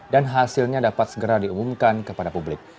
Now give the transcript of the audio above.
dan hasilnya dapat segera diumumkan kepada publik